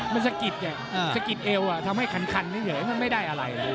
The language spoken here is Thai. มันสะกิดไงสะกิดเอวทำให้คันเฉยมันไม่ได้อะไร